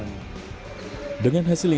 dengan hasil ini indonesia menang